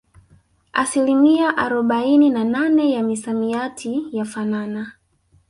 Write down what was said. Asilimia arobaini na nane ya misamiati yafanana